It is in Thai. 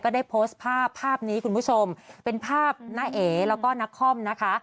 ได้โพสต์ภาพภาพนี้คุณผู้ชมเป็นภาพน้าเอ๋แล้วก็นักคอมนะคะ